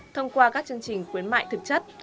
thông qua các chương trình quyến mại thực chất